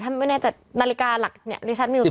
ถ้าไม่แน่ใจนาฬิการ์หลักนี่ลิชัดมิว